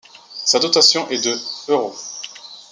Sa dotation est de euros.